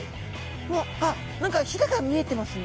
うわっあっ何かひれが見えてますね